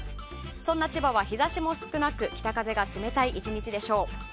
そんな千葉は日差しも少なく北風が冷たい１日でしょう。